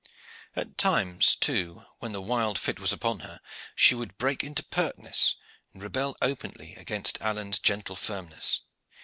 At times, too, when the wild fit was upon her, she would break into pertness and rebel openly against Alleyne's gentle firmness.